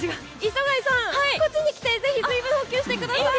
磯貝さん、こっちに来てぜひ水分補給をしてください。